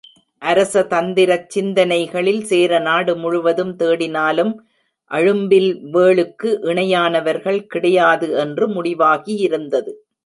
அரச தந்திரச் சிந்தனைகளில் சேரநாடு முழுவதும் தேடினாலும் அழும்பில்வேளுக்கு இணையானவர்கள் கிடையாது என்று முடிவாகி யிருந்தது.